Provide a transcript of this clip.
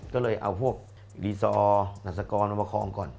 ก็เลยเอาพวกหลีซอร์หนักศักรณ์มันประคองก่อน